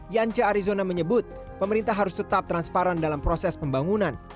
yance arizona menyebut pemerintah harus tetap transparan dalam proses pembangunan